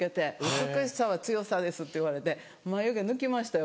「美しさは強さです」って言われて眉毛抜きましたよ